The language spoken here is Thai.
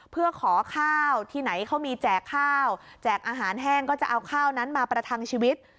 เพื่อขอข้าวที่ไหนเขามีแจกข้าวแจกอาหารแห้งก็จะเอาข้าวนั้นมาประทังชีวิต